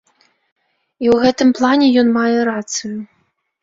І ў гэтым плане ён мае рацыю.